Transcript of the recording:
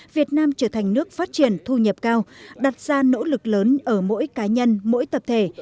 việt nam trở thành nước phát triển thu nhập cao đặt ra nỗ lực lớn ở mỗi cá nhân mỗi tập thể